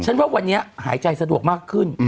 ฉันเมื่อวันนี้หายใจสะดวกมากขึ้น